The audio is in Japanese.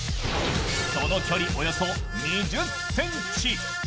その距離およそ２０ｃｍ。